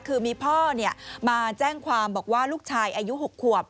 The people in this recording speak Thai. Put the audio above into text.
คือมีพ่อมาแจ้งความบอกว่าลูกชายอายุ๖ขวบ